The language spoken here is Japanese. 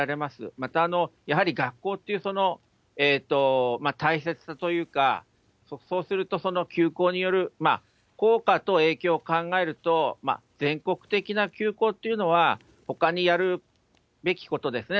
また、やはり学校という大切さというか、そうすると、その休校による効果と影響を考えると、全国的な休校っていうのは、ほかにやるべきことですね。